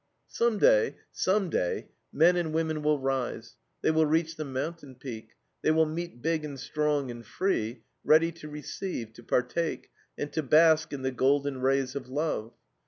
Some day, some day men and women will rise, they will reach the mountain peak, they will meet big and strong and free, ready to receive, to partake, and to bask in the golden rays of love.